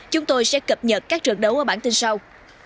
chúng tôi sẽ cập nhật các trận đấu ở bản tin sau